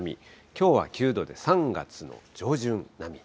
きょうは９度で３月の上旬並み。